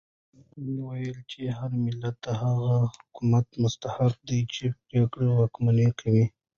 هګل وایي چې هر ملت د هغه حکومت مستحق دی چې پرې واکمني کوي.